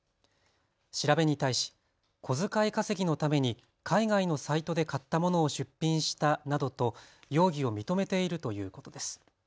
調べに対し小遣い稼ぎのために海外のサイトで買ったものを出品したなどと容疑を認めているということです。